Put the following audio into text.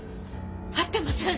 会ってません！